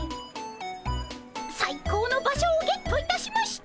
最高の場所をゲットいたしました！